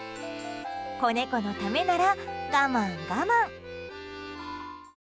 子猫のためなら我慢、我慢。